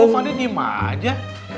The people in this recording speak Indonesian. pak d nyimah aja